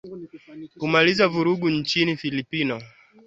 kumaliza vurugu nchini ufilipino